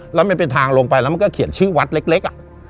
แล้วมันเป็นทางลงไปแล้วมันก็เขียนชื่อวัดเล็ก